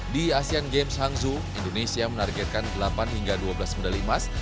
di asean games hangzhou indonesia menargetkan delapan hingga dua belas medali emas